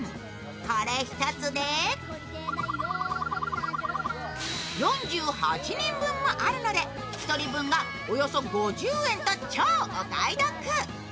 これ１つで、４８人分もあるので１人分がおよそ５０円と、超お買い得。